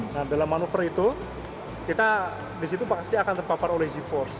nah dalam manuver itu kita disitu pasti akan terpapar oleh g force